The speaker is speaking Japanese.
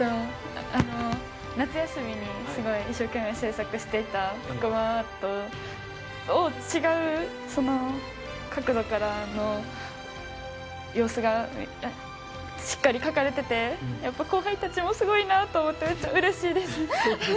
夏休みにすごい一生懸命制作していた黒板アートを違う角度からの様子がしっかり描かれていて後輩たちもすごいなと思ってうれしいです。